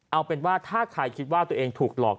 เอาเป็นว่าถ้าใครคิดว่าตัวเองถูกหลอก